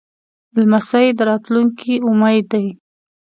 لمسی د راتلونکي امید دی.